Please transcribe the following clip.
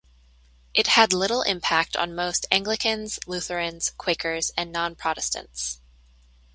It had little impact on most Anglicans, Lutherans, Quakers, and non-Protestants.